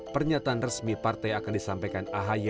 pernyataan resmi partai akan disampaikan ahy